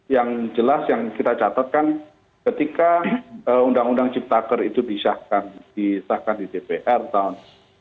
yang jelas yang kita catatkan ketika undang undang ciptaker itu disahkan di dpr tahun dua ribu dua puluh